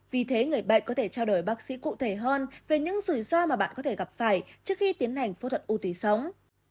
vì thế người bệnh có thể trao đổi bác sĩ cụ thể hơn về những rủi ro mà bạn có thể gặp phải trước khi tiến hành phẫu thuật u tý sống